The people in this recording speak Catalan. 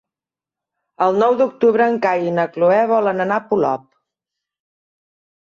El nou d'octubre en Cai i na Cloè volen anar a Polop.